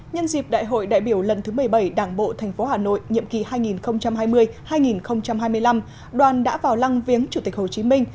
nhân dịp đại hội đại biểu lần thứ một mươi bảy đảng bộ tp hà nội nhiệm kỳ hai nghìn hai mươi hai nghìn hai mươi năm đoàn đã vào lăng viếng chủ tịch hồ chí minh